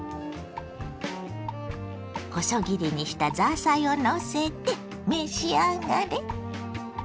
細切りにしたザーサイをのせて召し上がれ。